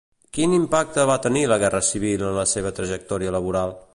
Quin impacte va tenir la guerra civil en la seva trajectòria laboral?